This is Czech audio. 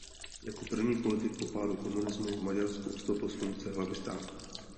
Jako první politik po pádu komunismu v Maďarsku odstoupil z funkce hlavy státu.